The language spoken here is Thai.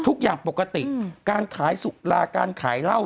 ทุกอย่างปกติการขายสุราการขายเหล้า